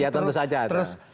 iya tentu saja ada